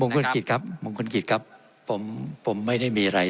คนกิจครับมงคลกิจครับผมผมไม่ได้มีอะไร